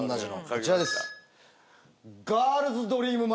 こちらです。